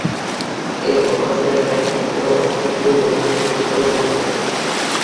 এর অপারেশনের দায়িত্বে ছিল অস্ট্রেলীয় বহুজাতিক কোম্পানি সান্তোস।